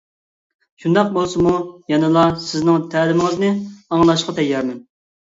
شۇنداق بولسىمۇ يەنىلا سىزنىڭ تەلىمىڭىزنى ئاڭلاشقا تەييارمەن.